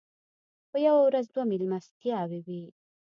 په یوه ورځ دوه مېلمستیاوې وې.